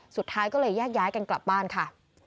สุดท้ายก็เลยแยกย้ายกันกลับบ้านค่ะ